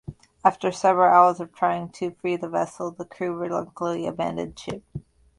After several hours of trying to free the vessel, the crew reluctantly abandoned ship.